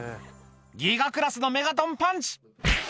ギガクラスのメガトンパンチ。